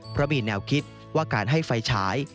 เพราะมีแนวคิดว่าการให้ไฟฉาย